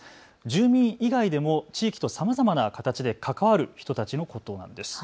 住民以外でも地域とさまざまな形で関わる人たちのことなんです。